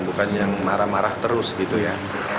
bukan yang marah marah terus gitu ya